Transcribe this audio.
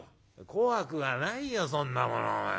「怖くはないよそんなものおめえ。